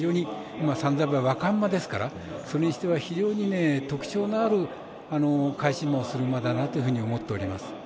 ３歳馬若馬ですから、それにしては非常に特徴のある返し馬をする馬だなと思っております。